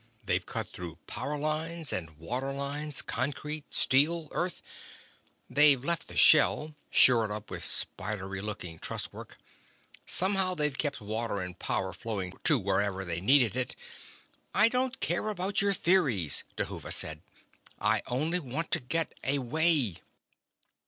"They've cut through power lines and water lines, concrete, steel, earth; they've left the shell, shored up with spidery looking trusswork. Somehow they've kept water and power flowing to wherever they needed it " "I don't care about your theories," Dhuva said; "I only want to get away."